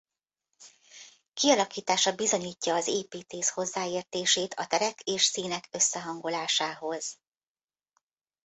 Kialakítása bizonyítja az építész hozzáértését a terek és színek összehangolásához.